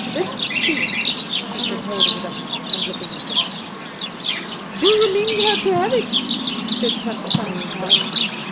"This key," she said, holding it up, and looking at them. "Do you mean her to have it?" said Tant Sannie in Dutch.